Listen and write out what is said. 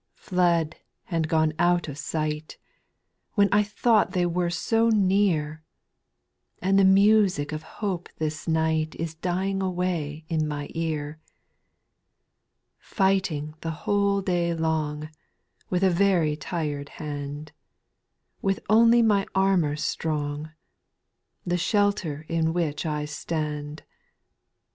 2. Fled and gone out of sight, When I thought they were so near, And the music of hope this night Is dying away on my ear. 3. ' Fighting the whole day long, With a very tired hand, — With only my armour strong — The shelter in which I stand. } 4.